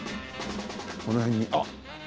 この辺にあっ。